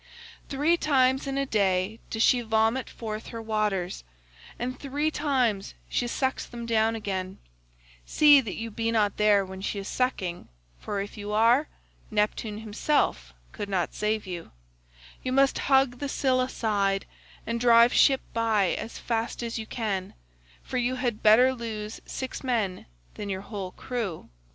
Three times in the day does she vomit forth her waters, and three times she sucks them down again; see that you be not there when she is sucking, for if you are, Neptune himself could not save you; you must hug the Scylla side and drive ship by as fast as you can, for you had better lose six men than your whole crew.